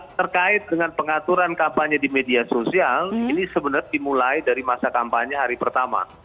terkait dengan pengaturan kampanye di media sosial ini sebenarnya dimulai dari masa kampanye hari pertama